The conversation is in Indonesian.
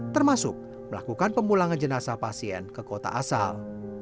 termasuk melakukan pemulangan jenazah pasien ke kota asal